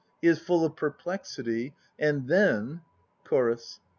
He is full of perplexity. And then CHORUS.